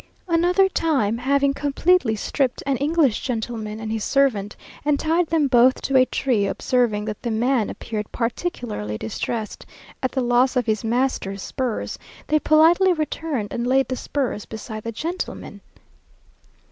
Another time, having completely stripped an English gentleman and his servant, and tied them both to a tree, observing that the man appeared particularly distressed at the loss of his master's spurs, they politely returned and laid the spurs beside the gentleman.